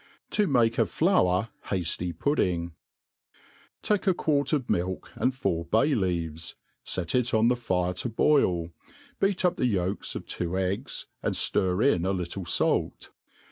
To make a Flour Hqfty Pudding. TAKE a quart of milk, and four bay leaves ; fet it on the fire to boil, beat up the yolks of two eggs, and ftir ia a little fait.